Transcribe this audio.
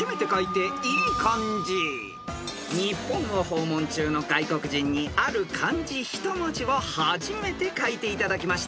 ［日本を訪問中の外国人にある漢字一文字を初めて書いていただきました］